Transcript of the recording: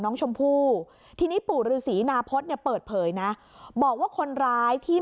น้องชมพู่ทีนี้ปู่ฤษีนาพฤษเนี่ยเปิดเผยนะบอกว่าคนร้ายที่